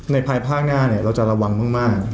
ภายภาคหน้าเราจะระวังมาก